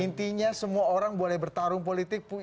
intinya semua orang boleh bertarung politik